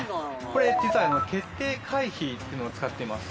これ実はあの決定回避というのを使ってます